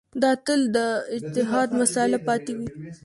دا تل د اجتهاد مسأله پاتې وي.